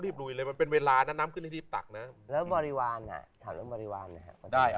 รีบลุยเลยมันเป็นเวลาน้ำขึ้นให้รีบตักนะแล้วบริวารบริวารได้